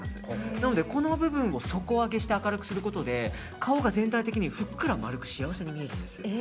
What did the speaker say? なのでこの部分を底上げして明るくしてあげることで顔が全体的にふっくら丸く幸せに見えるんです。